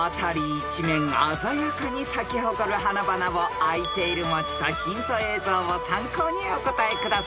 一面鮮やかに咲き誇る花々をあいている文字とヒント映像を参考にお答えください］